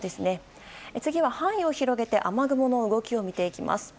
次は範囲を広げて雨雲の動きを見ていきます。